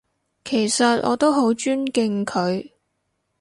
其實我都好尊敬佢